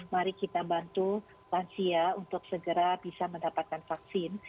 mari kita bantu lansia untuk segera bisa mendapatkan vaksin